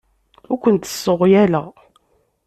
Ur kent-sseɣyaleɣ.